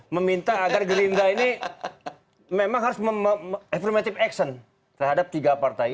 meminta agar gerindra ini memang harus affirmative action terhadap tiga partai